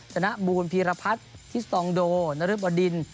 ธนบูรพีรพัฒน์ทิสตองโดนรึบดิน